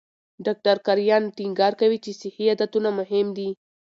ډاکټر کرایان ټینګار کوي چې صحي عادتونه مهم دي.